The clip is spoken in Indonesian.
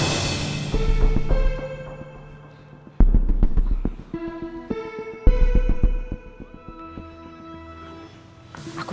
tenggelam dia lancar lancar